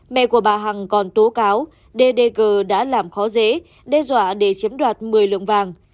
mẹ của bà hằng còn tố cáo d d g đã làm khó dễ đe dọa để chiếm đoạt một mươi lượng vàng